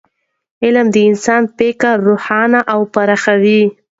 علم د انسان فکر روښانه او پراخوي.